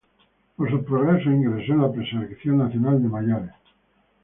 Por sus progresos, ingresó en la preselección nacional de mayores.